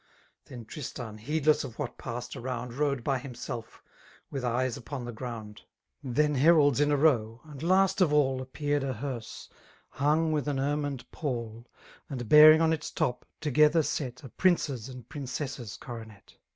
Then Tristan, heedless of what passed around^ Rode by himself, with eyes upon the ground. Then heralds in a row : and last of all Appeared a hearse, hung with an ermined pall. And bearing on its top, together set, A prince's and princess's coronet.